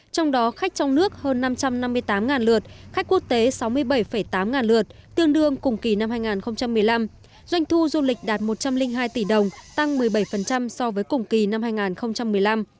trong đó khách trong nước hơn năm trăm năm mươi tám lượt khách quốc tế sáu mươi bảy tám lượt tương đương cùng kỳ năm hai nghìn một mươi năm doanh thu du lịch đạt một trăm linh hai tỷ đồng tăng một mươi bảy so với cùng kỳ năm hai nghìn một mươi năm